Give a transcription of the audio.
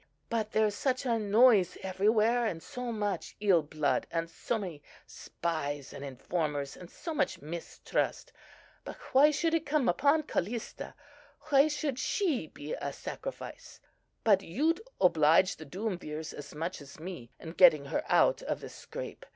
But there's such a noise everywhere, and so much ill blood, and so many spies and informers, and so much mistrust—but why should it come upon Callista? Why should she be a sacrifice? But you'd oblige the Duumvirs as much as me in getting her out of the scrape.